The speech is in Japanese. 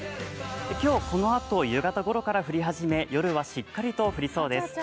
今日、このあと夕方ごろから降り始め、夜はしっかりと降りそうです。